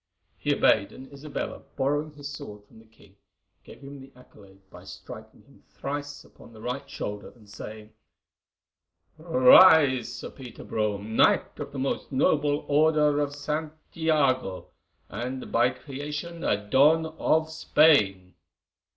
He obeyed, and Isabella, borrowing his sword from the king, gave him the accolade by striking him thrice upon the right shoulder and saying: "Rise, Sir Peter Brome, Knight of the most noble Order of Saint Iago, and by creation a Don of Spain."